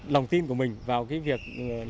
lòng tin của mình vào việc